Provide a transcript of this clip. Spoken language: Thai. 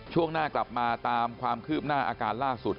ช่วงหน้ากลับมาตามความคืบหน้าอาการล่าสุด